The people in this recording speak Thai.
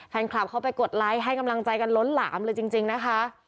แฟนคลับเขาไปกดไลค์ให้กำลังใจกันล้นหลามเลยจริงจริงนะคะ